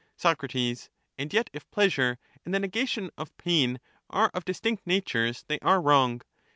Soc, And yet if pleasure and the negation of pain are of distinct natures, they are wrong.